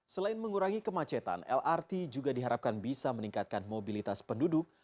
selain mengurangi kemacetan lrt juga diharapkan bisa meningkatkan mobilitas penduduk